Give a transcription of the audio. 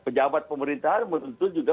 pejabat pemerintahan tentu juga